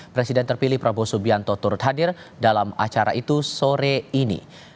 presiden terpilih prabowo subianto turut hadir dalam acara itu sore ini